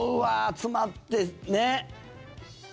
詰まってね。